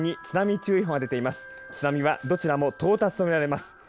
津波はどちらも到達とみられます。